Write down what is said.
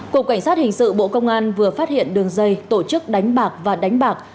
cục cảnh sát hình sự bộ công an vừa phát hiện đường dây tổ chức đánh bạc và đánh bạc